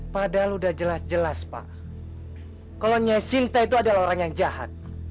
padahal sudah jelas jelas pak kalau nya sinta itu adalah orang yang jahat